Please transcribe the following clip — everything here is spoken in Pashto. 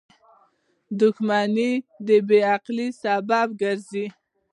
• دښمني د بې عقلی سبب کېږي.